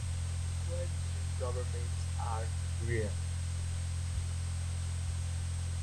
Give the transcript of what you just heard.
Coalition governments are rare.